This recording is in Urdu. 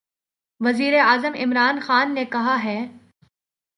وزیراعظم عمران خان نے کہا ہے